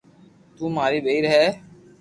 تو ماري ٻير ھي